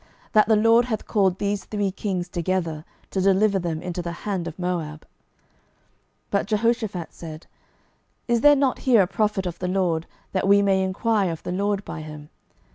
that the LORD hath called these three kings together, to deliver them into the hand of Moab! 12:003:011 But Jehoshaphat said, Is there not here a prophet of the LORD, that we may enquire of the LORD by him?